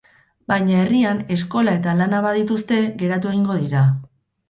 Baina herrian eskola eta lana badituzte, geratu egingo dira.